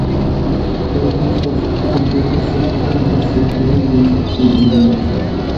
«ئۇيغۇرسوفت» كومپيۇتېر شىركىتىنىڭ باش دىرېكتورى، يۇمشاق دېتال ئىنژېنېرى.